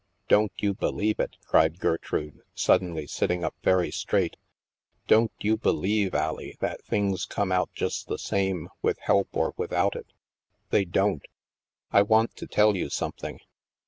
*' Don't you believe it," cried Gertrude, suddenly sitting up very straight. " Don't you believe, Allie, that things come out just the same, with help or without it. They don't. I want to tell you some thing.